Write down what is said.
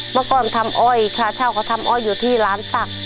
เมื่อก่อนทำอ้อยค่าเช่าเขาทำอ้อยอยู่ที่ร้านตัก